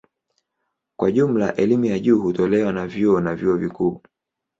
Kwa jumla elimu ya juu hutolewa na vyuo na vyuo vikuu.